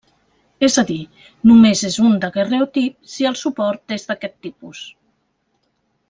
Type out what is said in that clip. És a dir, només és un daguerreotip si el suport és d'aquest tipus.